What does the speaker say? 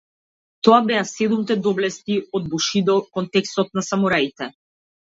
Тоа беа седумте доблести од бушидо кодексот на самураите.